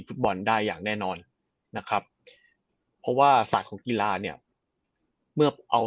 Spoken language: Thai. ฟุตบอลได้อย่างแน่นอนนะครับเพราะว่าศาสตร์ของกีฬาเนี่ยเมื่อเอา